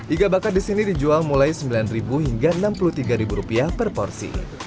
iga bakar disini dijual mulai sembilan hingga enam puluh tiga rupiah per porsi